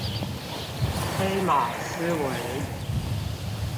黑馬思維